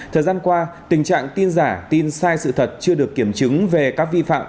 thời gian qua tình trạng tin giả tin sai sự thật chưa được kiểm chứng về các vi phạm